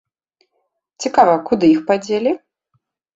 Цікава, куды іх падзелі?